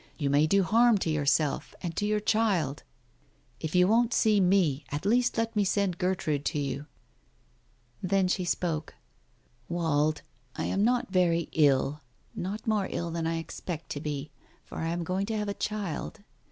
You may do harm to yourself — and to the child. If you won't see me, at least let me send Gertrude to you." Then she spoke. "Wald, I am not very ill — not more ill than I expect to be. For I am going to have a child.